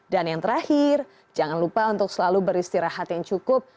dan yang terakhir jangan lupa untuk selalu beristirahat yang cukup